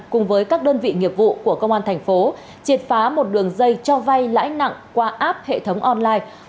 cùng với các đơn vị nghiệp vụ của công an thành phố triệt phá một đường dây cho vay lãi nặng qua app hệ thống online